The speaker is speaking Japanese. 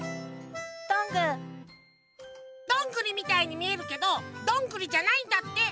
どんぐりみたいにみえるけどどんぐりじゃないんだって。